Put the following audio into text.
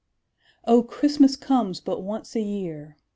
O, CHRISTMAS comes but once a year!